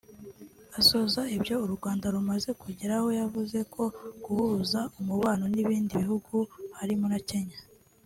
Asoza ibyo u Rwanda rumaze kugeraho yavuzeko guhuza umubano n’ibindi bihugu harimo na Kenya